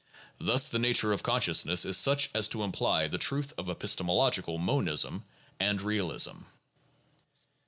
Thus the nature of consciousness is such as to imply the truth of epis temological monism and realism.